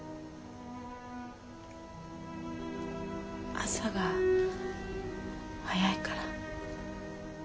朝が早いから。